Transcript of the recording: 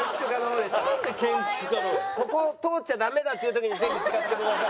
ここを通っちゃダメだっていう時にぜひ使ってください。